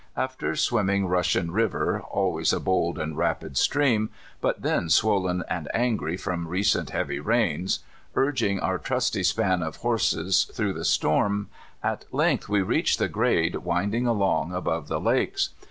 After swimming Kussian River, al ways a bold and rapid stream, but then swollen and angry from recent heavy rains, urging our trusty span of horses through the storm, at length we reached the grade winding along above the lakes.